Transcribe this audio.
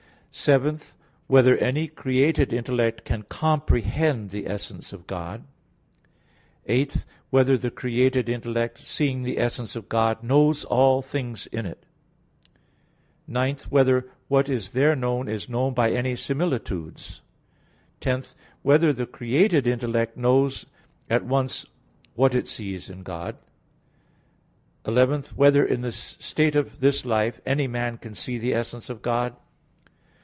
(7) Whether any created intellect can comprehend the essence of God? (8) Whether the created intellect seeing the essence of God, knows all things in it? (9) Whether what is there known is known by any similitudes? (10) Whether the created intellect knows at once what it sees in God? (11) Whether in the state of this life any man can see the essence of God?